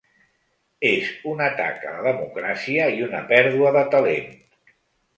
És un atac a la democràcia i una pèrdua de talent.